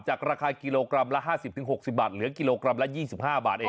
ราคากิโลกรัมละ๕๐๖๐บาทเหลือกิโลกรัมละ๒๕บาทเอง